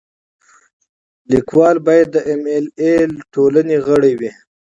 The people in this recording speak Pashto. لیکوال باید د ایم ایل اې ټولنې غړی وي.